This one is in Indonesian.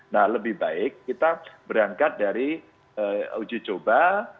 nah lebih baik kita berangkat dari uji coba